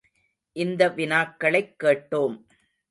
இந்த வினாக்களைக் கேட்டோம்.